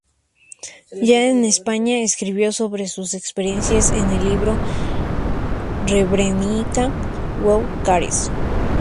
Ya en España, escribió sobre sus experiencias en el libro Srebrenica, who cares?